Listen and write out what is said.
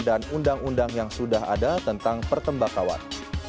undang undang yang sudah ada tentang pertembakauan